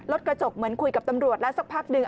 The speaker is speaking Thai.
กระจกเหมือนคุยกับตำรวจแล้วสักพักหนึ่ง